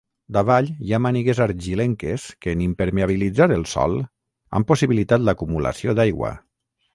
Davall, hi ha mànigues argilenques que en impermeabilitzar el sòl han possibilitat l'acumulació d'aigua.